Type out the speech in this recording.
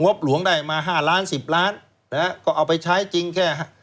บหลวงได้มาห้าล้านสิบล้านนะฮะก็เอาไปใช้จริงแค่